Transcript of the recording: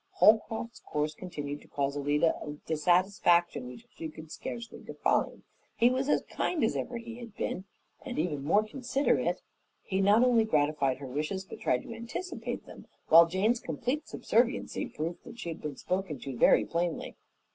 Holcroft's course continued to cause Alida a dissatisfaction which she could scarcely define. He was as kind as ever he had been and even more considerate; he not only gratified her wishes, but tried to anticipate them, while Jane's complete subserviency proved that she had been spoken to very plainly.